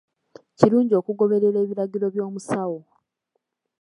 Kirungi okugoberera ebiragiro by’omusawo.